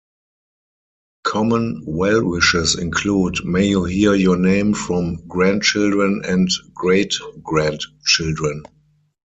Common well-wishes include May you hear your name from grandchildren and great-grandchildren!